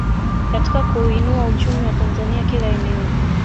Katika kuuinua uchumi wa Tanzania kila eneo